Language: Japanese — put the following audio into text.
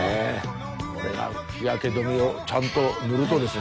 これが日焼け止めをちゃんと塗るとですね